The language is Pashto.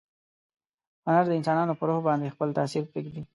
هنر د انسانانو په روح باندې خپل تاثیر پریږدي.